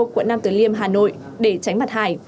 quận năm tử liêm hà nội để tránh mặt hải